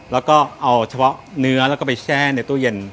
แล้วก็เอาเฉพาะเนื้อแล้วก็ไปแช่ในตู้เย็น